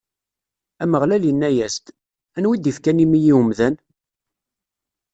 Ameɣlal inna-as-d: Anwa i d-ifkan imi i wemdan?